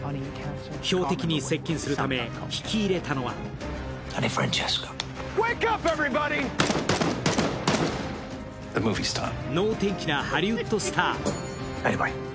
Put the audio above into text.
標的に接近するため引き入れたのは能天気なハリウッドスター。